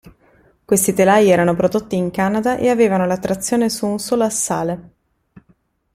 Questi telai erano prodotti in Canada ed avevano la trazione su un solo assale.